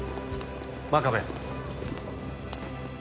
真壁。